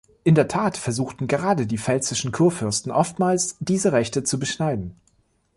In der Tat versuchten gerade die pfälzischen Kurfürsten oftmals, diese Rechte zu beschneiden.